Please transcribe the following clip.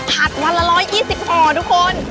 วันละ๑๒๐ห่อทุกคน